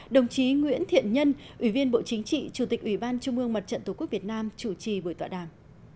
đồng chí nguyễn thiện nhân ủy viên bộ chính trị chủ tịch ủy ban trung ương mặt trận tổ quốc việt nam chủ trì buổi tọa đàm